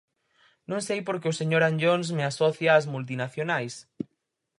Non sei porque o señor Anllóns me asocia ás multinacionais.